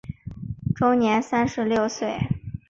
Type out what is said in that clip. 终年三十六岁。